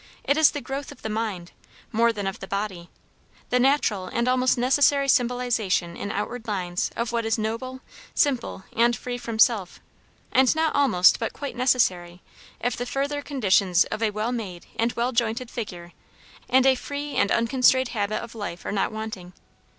It is the growth of the mind, more than of the body; the natural and almost necessary symbolization in outward lines of what is noble, simple, and free from self; and not almost but quite necessary, if the further conditions of a well made and well jointed figure and a free and unconstrained habit of life are not wanting.